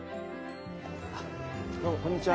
どうもこんにちは。